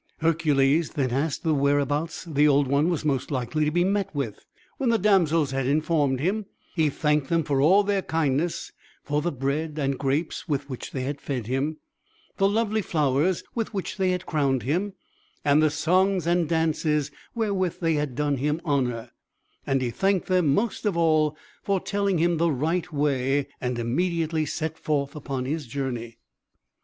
Hercules then asked whereabouts the Old One was most likely to be met with. When the damsels had informed him, he thanked them for all their kindness, for the bread and grapes with which they had fed him, the lovely flowers with which they had crowned him, and the songs and dances wherewith they had done him honour and he thanked them, most of all, for telling him the right way and immediately set forth upon his journey.